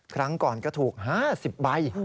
ครั้งก่อนก็ถูก๕๐ใบ